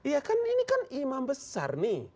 ya kan ini kan imam besar nih